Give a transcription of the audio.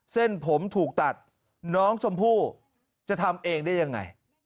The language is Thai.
เส้นผมถูกตัดน้องชมพู่จะทำเองได้ยังไง